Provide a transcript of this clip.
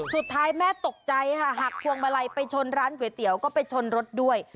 สุดท้ายแม่ตกใจค่ะหักพวงมาลัยไปชนร้านก๋วยเตี๋ยวก็ไปชนรถด้วย